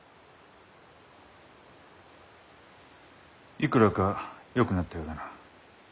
いくらかよくなったようだな。